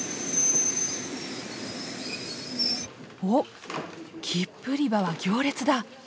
お切符売り場は行列だ！